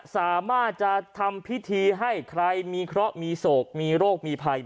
สามารถจะทำพิธีให้ใครมีเคราะห์มีโศกมีโรคมีภัย